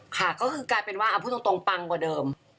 ค่ะก็คือกลายเป็นว่าเอาพูดตรงปังกว่าเดิม